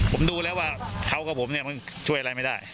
ผมดูแล้วว่าเขากับผมเนี่ยมันช่วยอะไรไม่ได้